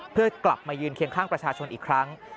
เพื่อกลับมายืนเคียงข้างประชาชนอีกครั้ง